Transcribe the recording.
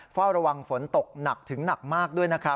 เฝ้าระวังฝนตกหนักถึงหนักมากด้วยนะครับ